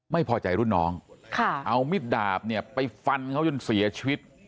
ไม่พอใจรุ่นน้องเอามิดดาบเนี่ยไปฟันเขาจนเสียชีวิต